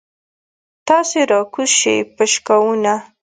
تاسې راکوز شئ پشکاوونه.